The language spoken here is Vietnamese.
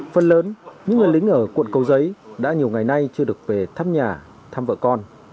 phần lớn những người lính ở quận cầu giấy đã nhiều ngày nay chưa được về thăm nhà thăm vợ con